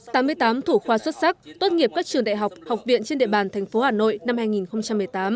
tám mươi tám thủ khoa xuất sắc tốt nghiệp các trường đại học học viện trên địa bàn tp hà nội năm hai nghìn một mươi tám